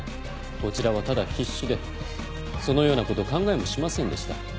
こちらはただ必死でそのようなこと考えもしませんでした。